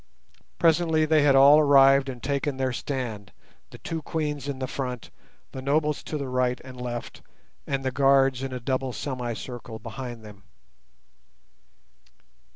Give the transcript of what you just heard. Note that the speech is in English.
Presently they had all arrived and taken their stand, the two Queens in the front, the nobles to the right and left, and the guards in a double semicircle behind them.